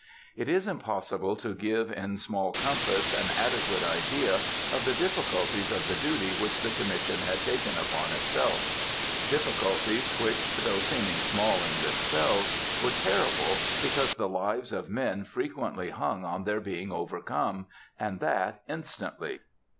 It is impossible to give in small compass an adequate idea of the difficulties of the duty which the Commission had taken upon itself; difficulties which, though seeming small in themselves, were terrible, because the lives of men frequently hung on their being overcome, and that instantly.